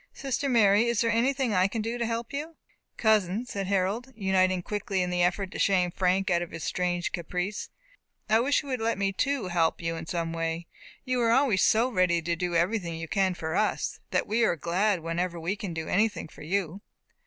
Sister Mary, is there anything I can do to help you?" "Cousin," said Harold, uniting quickly in the effort to shame Frank out of his strange caprice, "I wish you would let me too help you in some way. You are always so ready to do everything you can for us, that we are glad whenever we can do anything for you."